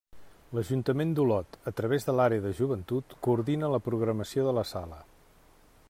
L'Ajuntament d'Olot, a través de l'àrea de Joventut, coordina la programació de la sala.